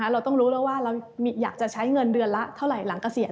เราต้องรู้แล้วว่าเราอยากจะใช้เงินเดือนละเท่าไหร่หลังเกษียณ